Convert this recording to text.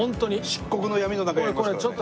漆黒の闇の中やりますからね。